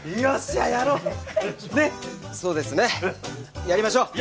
そうですねやりましょう！